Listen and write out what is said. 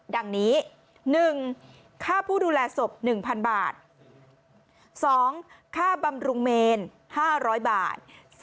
ดังนี้๑ค่าผู้ดูแลศพ๑๐๐๐บาท๒ค่าบำรุงเมน๕๐๐บาท